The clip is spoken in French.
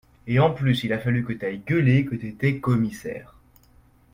En plus il a fallu que t’ailles gueuler que t’étais commissaire